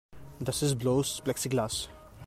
Das ist bloß Plexiglas.